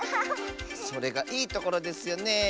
それがいいところですよねえ。